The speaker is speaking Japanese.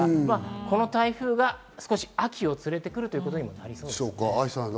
この台風が少し秋を連れてくるということかもしれません。